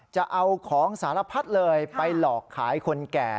จะเอาของสารพัดเลยไปหลอกขายคนแก่